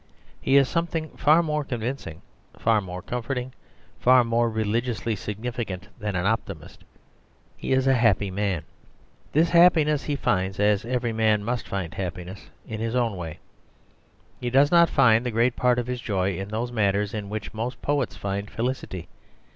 He is something far more convincing, far more comforting, far more religiously significant than an optimist: he is a happy man. This happiness he finds, as every man must find happiness, in his own way. He does not find the great part of his joy in those matters in which most poets find felicity.